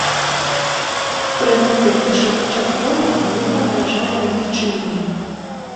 Пры гэтым першапачаткова мне пагражалі адлічэннем.